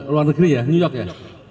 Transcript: luar negeri ya new york ya